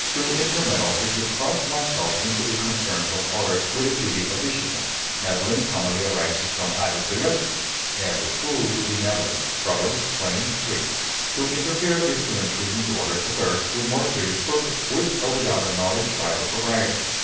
To intermeddle is to thrust oneself into the concerns of others with a petty officiousness; meddling commonly arises from idle curiosity; "every fool will be meddling," Prov. xx, 3; to interfere is to intrude into others' affairs with more serious purpose, with or without acknowledged right or propriety.